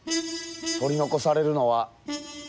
取り残されるのは。